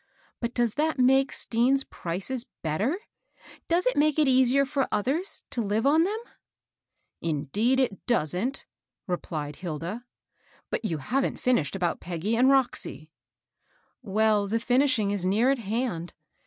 But does that make Stean's prices better ? Does it make it easier for others to live on them ?" 168 MABEL ROSSf. " Indeed it doesn't," rejiied Hilda. " But you liaven't finished about Peggy and Roxy." " Well, the finishing is near at hand.